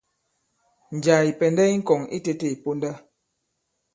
Njàā ì pɛ̀ndɛ i ŋkɔ̀ŋ itētē ì ponda.